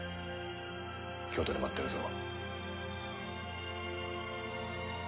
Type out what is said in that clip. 京都で待ってるぞ。